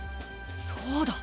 そうだ！